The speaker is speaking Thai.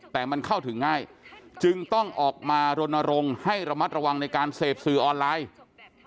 แต่มันเข้าถึงง่ายจึงต้องออกมารณรงค์ให้ระมัดระวังในการเสพสื่อออนไลน์